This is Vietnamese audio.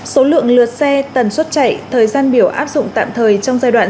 số lượng lượt xe tần suất chạy